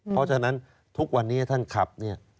เพราะฉะนั้นทุกวันนี้ท่านขับเนี่ย